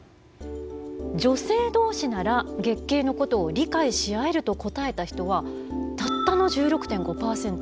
「女性どうしなら月経のことを理解しあえる」と答えた人はたったの１６．５％。